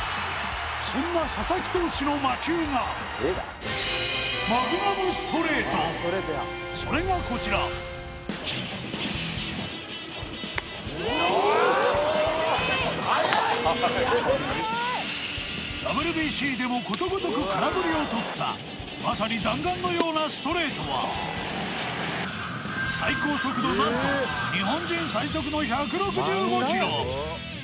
そんな佐々木投手の魔球がそれがこちらＷＢＣでもことごとく空振りを取ったまさに最高速度何と日本人最速の１６５キロ